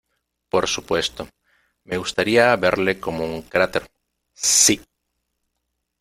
Por supuesto, me gustaría verle como un cráter. ¡ sí!